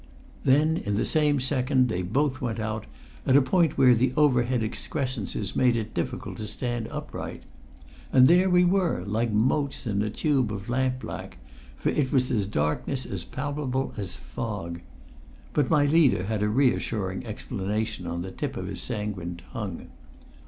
Then in the same second they both went out, at a point where the overhead excrescences made it difficult to stand upright. And there we were, like motes in a tube of lamp black; for it was a darkness as palpable as fog. But my leader had a reassuring explanation on the tip of his sanguine tongue.